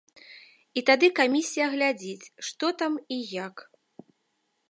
І тады камісія глядзіць, што там і як.